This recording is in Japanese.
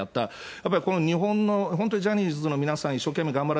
やっぱりこの日本の、本当にジャニーズの皆さん、一生懸命頑張っ